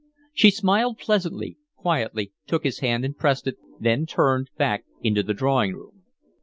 She smiled pleasantly, quietly took his hand and pressed it, then turned back into the drawing room.